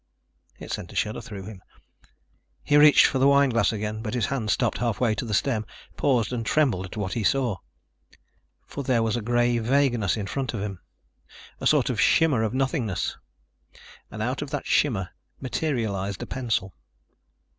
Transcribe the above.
It sent a shudder through him. He reached for the wine glass again, but his hand stopped half way to the stem, paused and trembled at what he saw. For there was a gray vagueness in front of him, a sort of shimmer of nothingness, and out of that shimmer materialized a pencil.